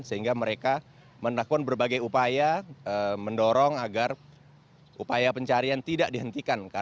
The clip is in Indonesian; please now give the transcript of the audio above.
sehingga mereka melakukan berbagai upaya mendorong agar upaya pencarian tidak dihentikan